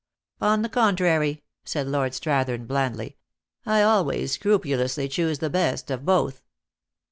" On the contrary," said Lord Strathern, blandly, " I always scrupulously choose the best of both."